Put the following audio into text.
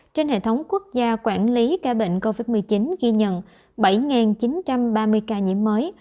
trên hệ thống quốc gia quản lý ca bệnh covid một mươi chín ghi nhận bảy chín trăm ba mươi ca nhiễm mới